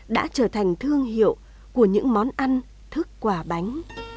đã trở thành thương hiệu của những món ăn thức quả bánh